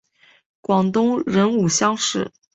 广东壬午乡试。